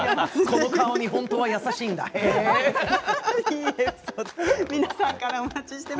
この顔で本当は優しいんだって。